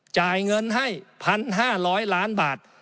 จ่ายเงินให้๑๕๐๐ล้านบาท